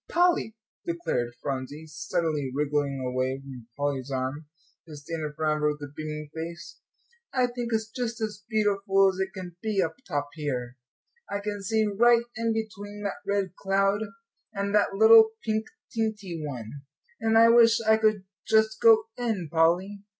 "Polly," declared Phronsie, suddenly wriggling away from Polly's arm, to stand in front of her with a beaming face, "I think it's just as beautiful as it can be up top here. I can see right in between that red cloud and that little pink teenty one. And I wish I could just go in, Polly."